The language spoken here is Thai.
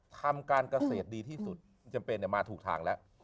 ทำการเกษตรดีที่สุดจำเป็นมาถูกทางแล้ว